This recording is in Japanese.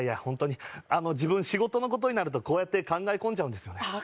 ホントにあの自分仕事のことになるとこうやって考え込んじゃうんですよね